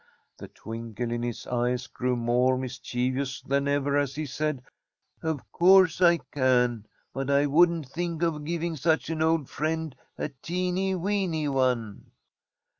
The twinkle in his eyes grew more mischievous than ever as he said: "Of course I can. But I wouldn't think of giving such an old friend a teeny, weeny one."